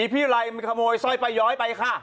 พี่ไรมันขโมยสร้อยปลาย้อยไปค่ะ